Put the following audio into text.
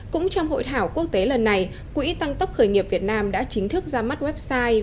cũng trong hội thảo quốc tế lần này quỹ tăng tốc khởi nghiệp việt nam đã chính thức ra mắt website